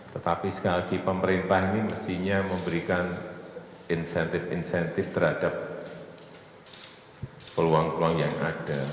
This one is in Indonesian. tetapi sekali lagi pemerintah ini mestinya memberikan insentif insentif terhadap peluang peluang yang ada